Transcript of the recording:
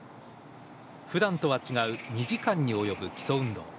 ふだんとは違う２時間に及ぶ基礎運動。